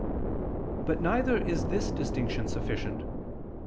But neither is this distinction sufficient.